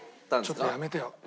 ちょっとやめてよ。